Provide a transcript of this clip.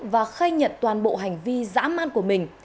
và khai nhận toàn bộ hành vi dã man của mình